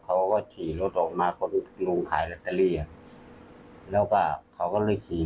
แผงล็อตเตอรี่แล้วก็กระเป๋าเงินนะคะอยู่ที่ไหน